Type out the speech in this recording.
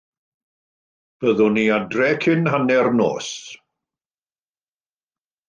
Byddwn ni adref cyn hanner nos.